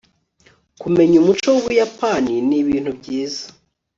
kumenya umuco wubuyapani nibintu byiza